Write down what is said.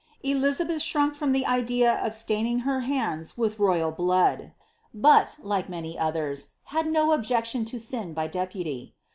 Elizabeth shrunk from the idea of staining her hands with royal blood ; but, like many others, had no objection to sin by deputy.